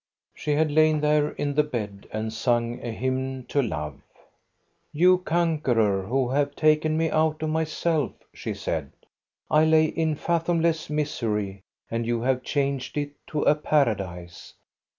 She had lain there in A and sung a hymn to Love. THE OLD VEHICLES II3 " You conqueror, who have taken me out of my self," she said, I lay in fathomless misery and you have changed it to a paradise.